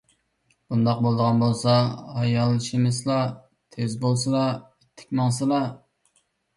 بۇنداق بولىدىغان بولسا ھايالشىمىسىلا، تېز بولسىلا! ئىتتىك ماڭسىلا.